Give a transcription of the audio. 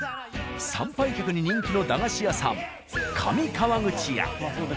参拝客に人気の駄菓子屋さん「上川口屋」。